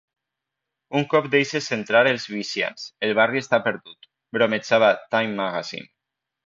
"Un cop deixes entrar els Wisians, el barri està perdut", bromejava 'Time Magazine'.